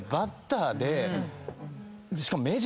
しかも。